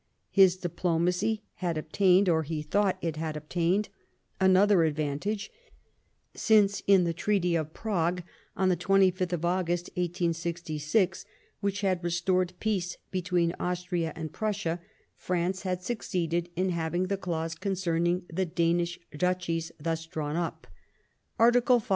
His diplomacy had obtained, or he thought it had 105 Bismarck obtained, another advantage, since in the Treaty of Prague on the 25th of August, 1866, which had restored peace between Austria and Prussia, France had succeeded in having the clause concerning the Danish Duchies thus drawn up :" Article 5.